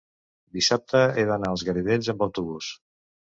dissabte he d'anar als Garidells amb autobús.